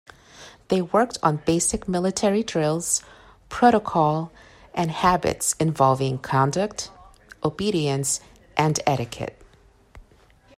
They worked on basic military drills, protocol, and habits involving conduct, obedience and etiquette.